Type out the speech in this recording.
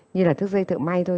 như là thước dây thợ may thôi